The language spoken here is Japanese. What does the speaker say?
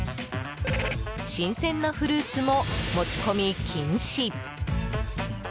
新鮮なフルーツも持ち込み禁止。